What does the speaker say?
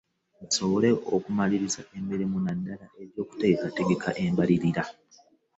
Basobole okumaliriza emirimu naddala egy'okuteekateeka embalirira